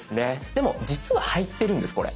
でも実は入ってるんですこれ。